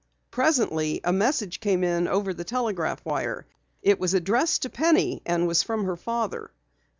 Presently a message came in over the telegraph wire. It was addressed to Penny and was from her father.